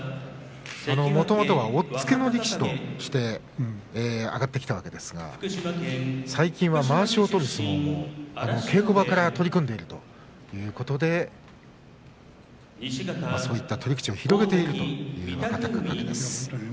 もともとは押っつけの力士として上がってきたわけですが最近は、まわしを取る相撲も稽古場から取り組んでいるということでそういった取り口を広げているという若隆景です。